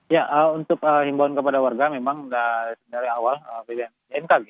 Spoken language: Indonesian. ya untuk himbauan kepada warga memang dari awal bmkg